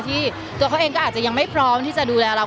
ตัวเขาเองก็อาจจะยังไม่พร้อมที่จะดูแลเรา